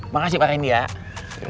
makasih pak rendy ya